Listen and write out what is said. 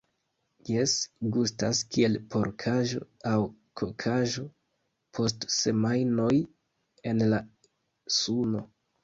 Jes, gustas kiel porkaĵo aŭ kokaĵo post semajnoj en la suno